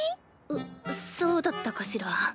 うっそうだったかしら？